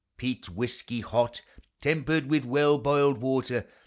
Peat whiskey hot, Tempered with well boiled water!